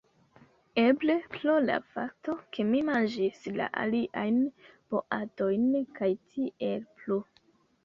Eble pro la fakto, ke mi manĝis la aliajn boatojn kaj tiel plu.